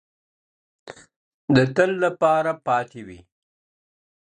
د تل لپاره پاته وي